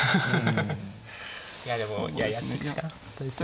いやでもやってくしかなかったですね。